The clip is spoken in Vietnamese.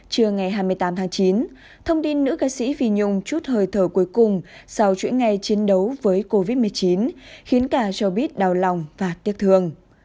trưa ngày hai mươi tám tháng chín thông tin nữ ca sĩ phi nhung chút hơi thở cuối cùng sau chuỗi ngày chiến đấu với covid một mươi chín khiến cả cho biết đau lòng và tiếc thương